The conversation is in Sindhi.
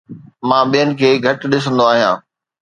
مان ٻين کي گهٽ ڏسندو آهيان